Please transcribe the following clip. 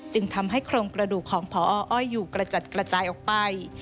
จึงทำให้โครงกระดูกของพออ้อยอยู่กระจัดกระจายออกไป